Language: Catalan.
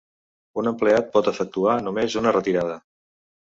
Un empleat pot efectuar només una retirada.